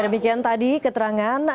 ya demikian tadi keterangan